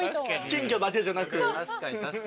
金魚だけじゃなく。